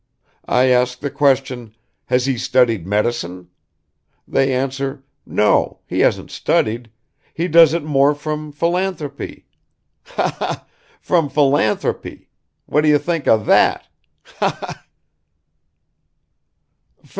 I ask the question: 'Has he studied medicine?' They answer: 'No, he hasn't studied, he does it more from philanthropy' ... ha! ha! from philanthropy! What do you think of that? Ha! ha!"